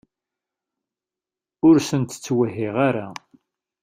Ur sent-ttwehhiɣ ara.